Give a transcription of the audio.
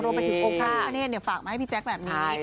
รวมไปถึงองค์ภูมิพระเนธเนี่ยฝากมาให้พี่แจ๊คแบบนี้